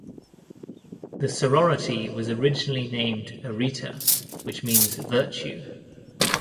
The sorority was originally named Areta, which means virtue.